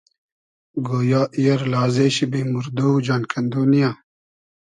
گۉیا ای ار لازې شی بې موردۉ و جان کئندۉ نییۂ